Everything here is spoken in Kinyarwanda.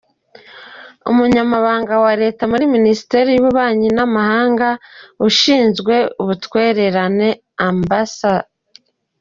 Umunyamabanga wa Leta muri Minisiteri y’Ububanyi n’Amahanga ushinzwe Ubutwererane: Amb.